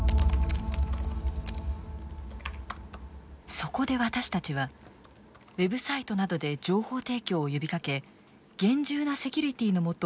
そこで私たちはウェブサイトなどで情報提供を呼びかけ厳重なセキュリティーのもと